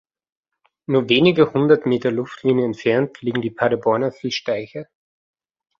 Nur wenige hundert Meter Luftlinie entfernt liegen die Paderborner Fischteiche.